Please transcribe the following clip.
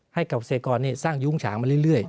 ให้กรกษกรสร้างยุงฉางมาเรื่อย